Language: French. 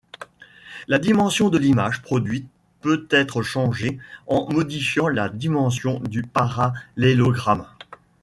La dimension de l'image produite peut être changée en modifiant la dimension du parallélogramme.